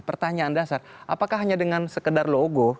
pertanyaan dasar apakah hanya dengan sekedar logo